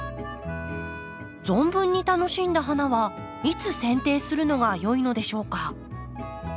存分に楽しんだ花はいつせん定するのがよいのでしょうか？